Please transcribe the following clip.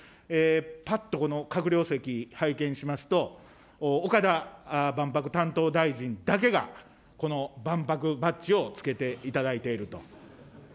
ぱっとこの閣僚席拝見しますと、岡田万博担当大臣だけがこの万博バッジをつけていただいていると。